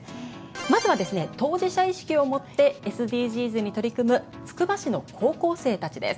まずはですね当事者意識を持ってＳＤＧｓに取り組むつくば市の高校生たちです。